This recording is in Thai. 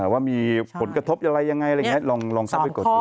ว่ามีผลกระทบอะไรยังไงอะไรอย่างนี้ลองเข้าไปกดดู